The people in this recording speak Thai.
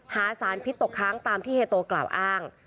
หาสารพิษตกค้างตามที่เฮโตกล่าวอ้าง